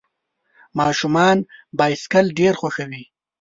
ماشومان بایسکل ډېر خوښوي.